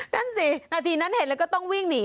นั่นสินาทีนั้นเห็นแล้วก็ต้องวิ่งหนี